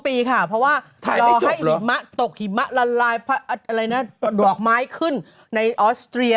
ปีค่ะเพราะว่ารอให้หิมะตกหิมะละลายดอกไม้ขึ้นในออสเตรีย